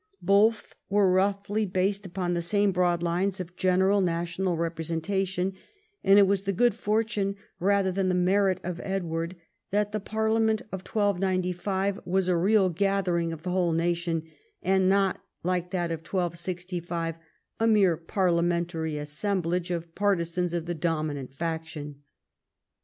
Both were roughly based upon the same broad lines of general national representation ; and it was the good fortune rather than the merit of Edward that the parliament of 1295 was a real gathering of the whole nation, and not, like that of 1265, a mere parliamentary assemblage of partisans of the dominant faction.